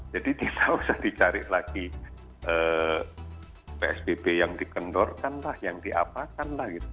jadi tidak usah dicari lagi psbb yang dikendorkan lah yang diapakan lah gitu